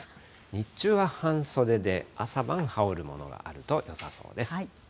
日中は半袖で朝晩、羽織るものがあるとよさそうです。